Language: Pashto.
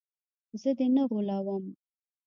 زه دې نه غولوم.